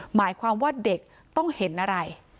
หมายความว่าเด็กต้องเห็นอะไร